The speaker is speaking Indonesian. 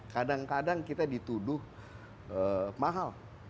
kadang kadang kita dituduh mahal